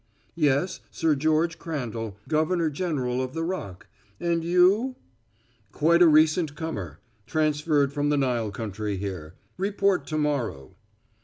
"Yes, Sir George Crandall, Governor general of the Rock. And you " "Quite a recent comer. Transferred from the Nile country here. Report to morrow."